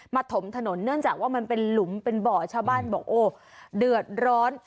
ถมถนนเนื่องจากว่ามันเป็นหลุมเป็นบ่อชาวบ้านบอกโอ้เดือดร้อน